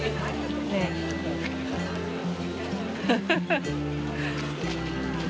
フフフッ！